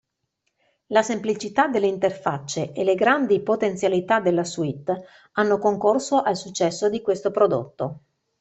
La semplicità delle interfacce e le grandi potenzialità della suite hanno concorso al successo di questo prodotto.